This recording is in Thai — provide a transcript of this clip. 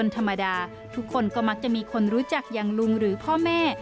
ธรรมดาทุกคนก็มักจะมีคนรู้จักอย่างลุงหรือพ่อแม่